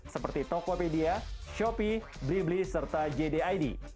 seperti tokopedia shopee blibli serta jdid